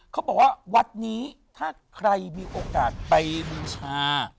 เขาบอกว่าวัดนี้ถ้าใครมีโอกาสไปบูชา